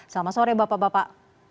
selamat sore bapak bapak